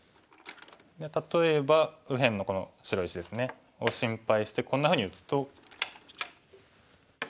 例えば右辺のこの白石ですねを心配してこんなふうに打つと。